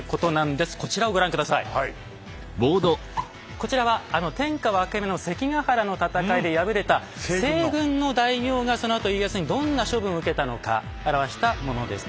こちらはあの天下分け目の関ヶ原の戦いで敗れた西軍の大名がそのあと家康にどんな処分を受けたのか表したものです。